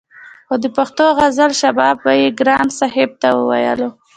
خو د پښتو غزل شباب به يې ګران صاحب ته ويلو